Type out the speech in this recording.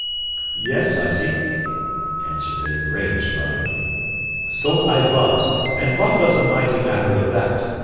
"Yes, hussy," answered the enraged mother, "so I was, and what was the mighty matter of that?